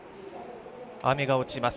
雨が落ちます